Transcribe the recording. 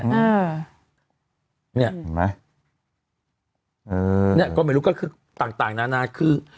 อ่าเนี่ยเห็นไหมเออเนี้ยก็ไม่รู้ก็คือต่างต่างนานาคือ